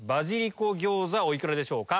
お幾らでしょうか？